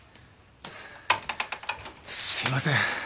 すいません。